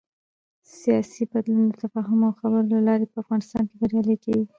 سیاسي بدلون د تفاهم او خبرو له لارې په افغانستان کې بریالی کېږي